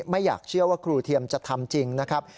ไม่อยากเชื่อว่าครูเทียมจะทำจริงนะครับ